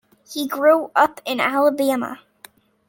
He grew up in Alabama.